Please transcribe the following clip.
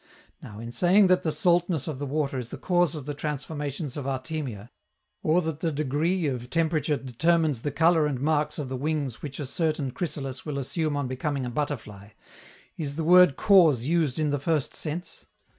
Now, in saying that the saltness of the water is the cause of the transformations of Artemia, or that the degree of temperature determines the color and marks of the wings which a certain chrysalis will assume on becoming a butterfly, is the word "cause" used in the first sense?